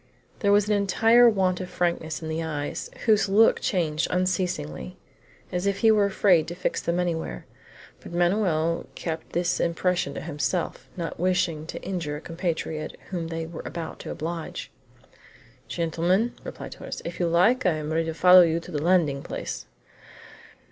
There was an entire want of frankness in the eyes, whose look changed unceasingly, as if he was afraid to fix them anywhere. But Manoel kept this impression to himself, not wishing to injure a compatriot whom they were about to oblige. "Gentlemen," said Torres, "if you like, I am ready to follow you to the landing place."